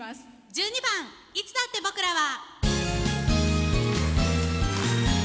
１２番「いつだって僕らは」。